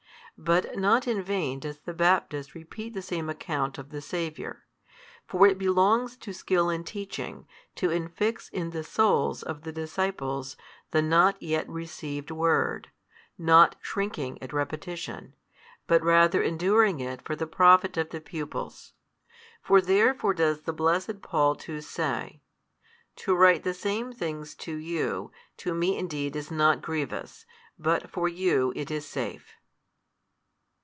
But not in vain does the Baptist repeat the same account of the Saviour. For it belongs to skill in teaching, to infix in the souls of the disciples the not yet received word, not shrinking at repetition, but rather enduring it for the profit of the pupils. For therefore does the blessed Paul too say, To write the same things to you, to me indeed is not grievous, but for you it is safe.